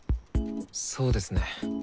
そうですね。